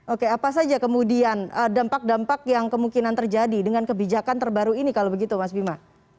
oke apa saja kemudian dampak dampak yang kemungkinan terjadi dengan kebijakan terbaru ini kalau begitu mas bima